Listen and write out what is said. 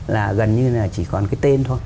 là gần như là chỉ còn cái tên thôi